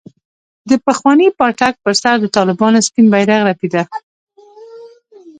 د پخواني پاټک پر سر د طالبانو سپين بيرغ رپېده.